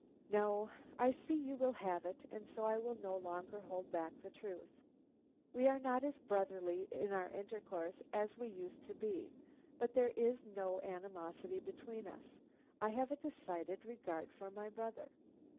"No. I see you will have it, and so I will no longer hold back the truth. We are not as brotherly in our intercourse as we used to be; but there is no animosity between us. I have a decided regard for my brother."